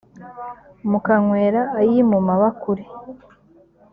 mukanywera ayi mu mabakure